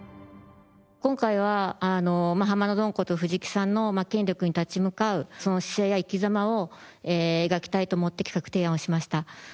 今回は「ハマのドン」こと藤木さんの権力に立ち向かうその姿勢や生き様を描きたいと思って企画提案をしました。